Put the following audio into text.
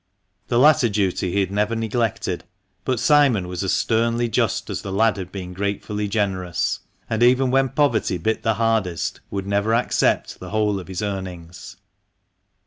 The latter duty he had never neglected, but Simon was as sternly just as the lad had been gratefully generous, and, even when poverty bit the hardest, would never accept the whole of his earnings.